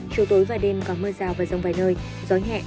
chiều tối và đêm có mưa rào và rông vài nơi gió nhẹ